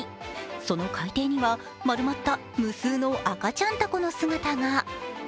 その海底には丸まった無数の赤ちゃんたこの姿が。